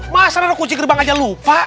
masalahnya kunci gerbang aja lupa